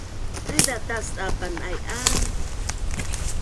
haiza tas’a pan’aian